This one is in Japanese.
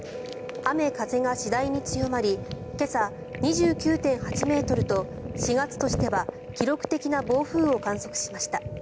雨、風が次第に強まり今朝、２９．８ｍと４月としては記録的な暴風を観測しました。